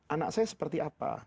anak saya seperti apa